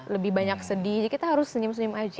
lebih banyak sedih jadi kita harus senyum senyum aja